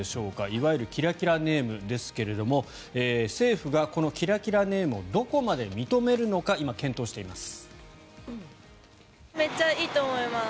いわゆるキラキラネームですが政府がこのキラキラネームをどこまで認めるのか今、検討しています。